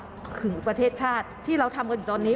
ก็คือประเทศชาติที่เราทำอยู่ตอนนี้